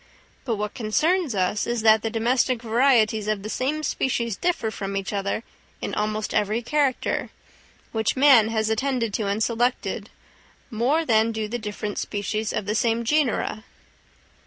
But what concerns us is that the domestic varieties of the same species differ from each other in almost every character, which man has attended to and selected, more than do the distinct species of the same genera.